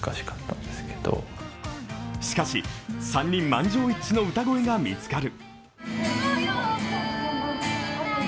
しかし、３人満場一致の歌声が見つかる。